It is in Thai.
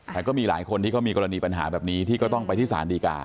แต่ก็มีหลายคนที่เขามีกรณีปัญหาแบบนี้ที่ก็ต้องไปที่ศาลดีกา